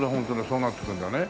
そうなっていくんだね。